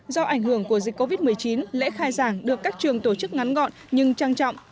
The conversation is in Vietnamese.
do ảnh hưởng của dịch covid một mươi chín lễ khai giảng được các trường tổ chức ngắn gọn nhưng trang trọng